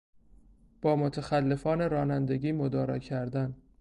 با متخلفان رانندگی مدارا کردن